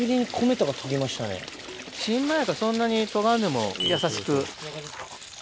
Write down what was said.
新米やからそんなにとがんでも優しく。